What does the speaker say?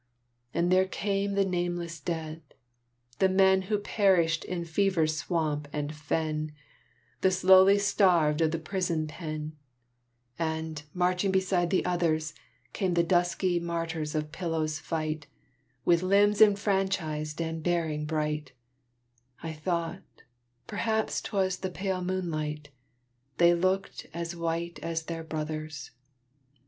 And there came the nameless dead, the men Who perished in fever swamp and fen, The slowly starved of the prison pen; And, marching beside the others, Came the dusky martyrs of Pillow's fight, With limbs enfranchised and bearing bright: I thought perhaps 'twas the pale moonlight They looked as white as their brothers!